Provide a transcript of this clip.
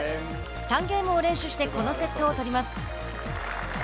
３ゲームを連取してこのセットを取ります。